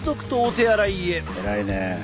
偉いね。